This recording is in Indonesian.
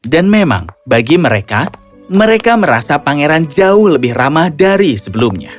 dan memang bagi mereka mereka merasa pangeran jauh lebih ramah dari sebelumnya